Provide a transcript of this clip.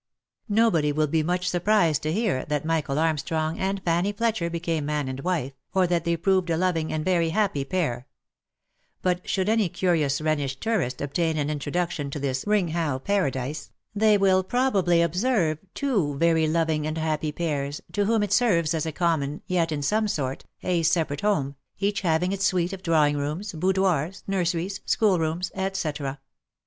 Nobody will be much surprised to hear that Michael Armstrong and Fanny Fletcher became man and wife, or that they proved a loving and very happy pair : but, should any curious Rhenish tourist obtain an introduction to this Rhingau paradise, they will probably observe two very loving and happy pairs, to whom it serves as a common yet, in some sort, a separate home, each having its suite of drawing rooms, boudoirs, nurseries, school rooms, etccetera.